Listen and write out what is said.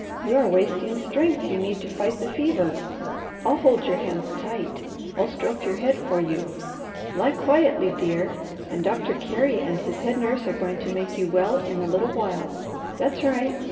You are wasting strength you need to fight the fever. I'll hold your hands tight, I'll stroke your head for you. Lie quietly, dear, and Doctor Carey and his head nurse are going to make you well in a little while. That's right!